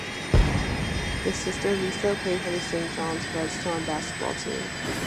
His sister, Lisa, played for the Saint John's Red Storm women's basketball team.